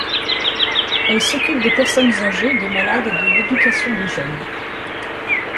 Elles s'occupent des personnes âgées, des malades et de l'éducation des jeunes.